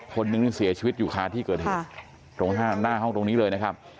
คนนึงนี่เสียชีวิตอยู่คาที่เกิดเหตุตรงหน้าห้องตรงนี้เลยนะครับ